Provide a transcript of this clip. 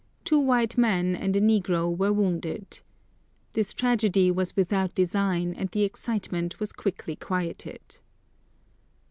Two white men and a negro were wounded. This tragedy was without design, and the excitement was quickly quieted.